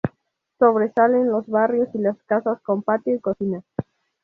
Sobresalen los barrios y las casas con patio y cocina.